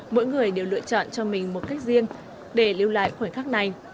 mỗi người đều lựa chọn cho mình một cách riêng để lưu lại khoảnh khắc này